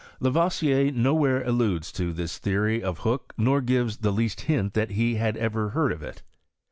kLavoisier nowhere alludes to this theory of Hook _te gives the least hint that he had ever heard of ^roL. II. II it.